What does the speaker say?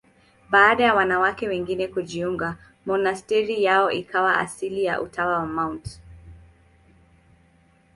Baada ya wanawake wengine kujiunga, monasteri yao ikawa asili ya Utawa wa Mt.